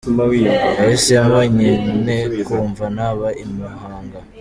Nahisemo nyine kumva naba i Muhanga.